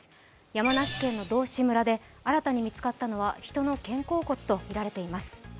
山梨県の道志村で新たに見つかったのは人の肩甲骨とみられています。